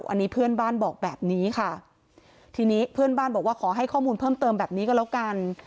อันนี้เพื่อนบ้านบอกแบบนี้ค่ะทีนี้เพื่อนบ้านบอกว่าขอให้ข้อมูลเพิ่มเติมแบบนี้ก็แล้วกัน